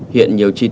hiện nhiều chi tiết